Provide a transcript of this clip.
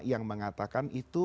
yang mengatakan itu